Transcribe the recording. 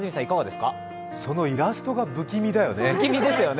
そのイラストが不気味だよね。